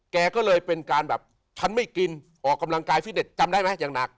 แกก็เลยเป็นการแบบฉันไม่กินออกกำลังกายฟิตเน็ตจำได้ไหมอย่างหนัก